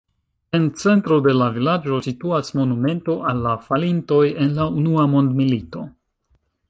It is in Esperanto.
En centro de la vilaĝo situas monumento al la falintoj en la unua mondmilito.